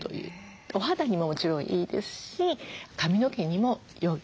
お肌にももちろんいいですし髪の毛にもよい。